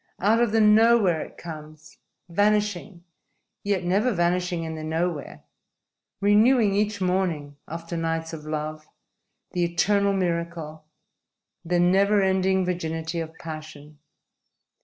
Out of the nowhere it comes, vanishing, yet never vanishing in the nowhere; renewing each morning, after nights of love, the eternal miracle, the never ending virginity of passion.